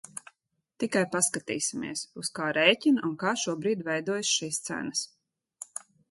Tikai paskatīsimies, uz kā rēķina un kā šobrīd veidojas šīs cenas.